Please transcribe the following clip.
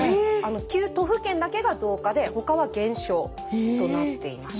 ９都府県だけが増加で他は減少となっています。